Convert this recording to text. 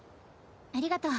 ありがとう。